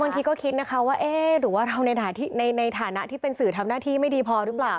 คิดก็คิดนะคะว่าเอ๊ะหรือว่าเราในฐานะที่เป็นสื่อทำหน้าที่ไม่ดีพอหรือเปล่า